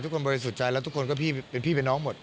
ทุกคนบริสุทธิ์ใจแล้วทุกคนก็พี่เป็นน้องหมด